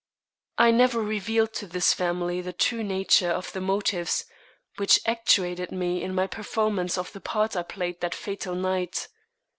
I never revealed to this family the true nature of the motives which actuated me in my performance of the part I played that fatal night.